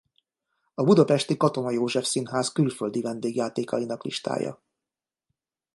A budapesti Katona József Színház külföldi vendégjátékainak listája